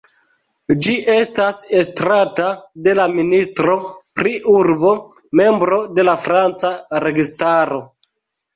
Ĝi estas estrata de la ministro pri urbo, membro de la franca registaro.